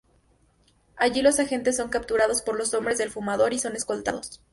Allí, los agentes son capturados por los hombres del fumador y son escoltados.